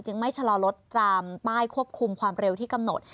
ไม่ชะลอรถตามป้ายควบคุมความเร็วที่กำหนด